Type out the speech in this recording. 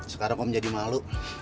sekarang om jadi maaf